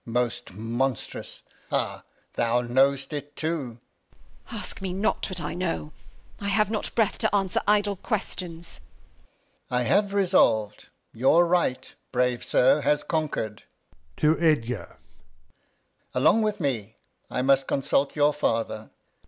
Alb. Most monst'rous ! Ha! Thou know'st it too ? Bast. Ask me not what I know, I have not Breath to answer idle Questions. Alb. I am resolv'd ^your Right, brave Sir, has conquer'd. [To Edgar. Along with me, I must consult your Father.